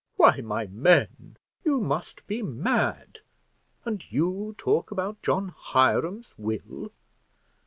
Why, my men, you must be mad; and you talk about John Hiram's will!